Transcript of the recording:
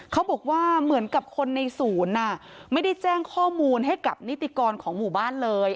เขาบอกว่าเหมือนกับคนในศูนย์ไม่ได้แจ้งข้อมูลให้กับนิติกรของหมู่บ้านเลย